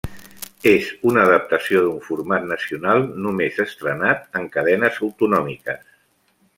És una adaptació d’un format nacional, només estrenat en cadenes autonòmiques.